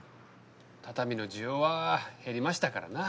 畳の需要は減りましたからな。